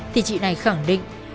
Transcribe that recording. thì chị này khẳng định